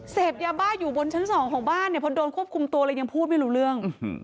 เสพยาบ้าอยู่บนชั้นสองของบ้านเนี่ยพอโดนควบคุมตัวเลยยังพูดไม่รู้เรื่อง